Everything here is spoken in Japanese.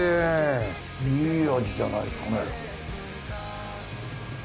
いい味じゃないですかね。